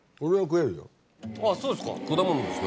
あっそうですか。